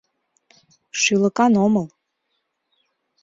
— Шӱлыкан омыл...